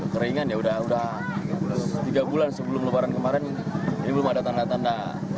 keringan ya udah tiga bulan sebelum lebaran kemarin ini belum ada tanda tanda